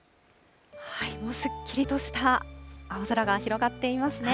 もうすっきりとした青空が広がっていますね。